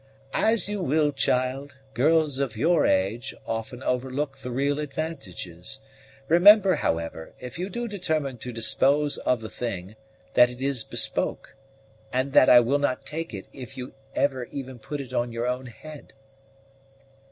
"As you will, child; girls of your age often overlook the real advantages. Remember, however, if you do determine to dispose of the thing, that it is bespoke, and that I will not take it if you ever even put it on your own head."